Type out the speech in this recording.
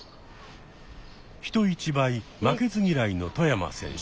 人一倍負けず嫌いの外山選手。